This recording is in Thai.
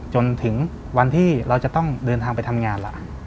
จนถึงวันที่เราจะต้องเดินทางไปทำงานล่ะ